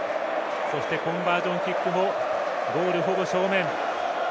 そしてコンバージョンキックもゴールほぼ正面。